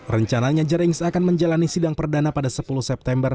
rencananya jerings akan menjalani sidang perdana pada sepuluh september